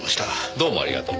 どうもありがとう。